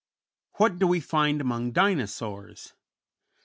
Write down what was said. What do we find among Dinosaurs?